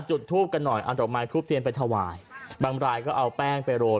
จุดทูปกันหน่อยเอาดอกไม้ทูบเทียนไปถวายบางรายก็เอาแป้งไปโรย